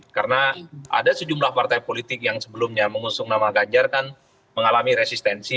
karena ada sejumlah partai politik yang sebelumnya mengusung nama ganjar kan mengalami resistensi